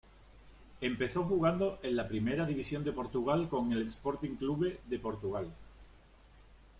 Empezó jugando en la Primera División de Portugal con el Sporting Clube de Portugal.